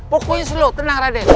pokoknya slow tenang raden